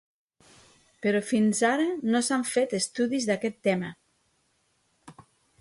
Però fins ara no s'han fet estudis d'aquest tema.